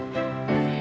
pilih yang ini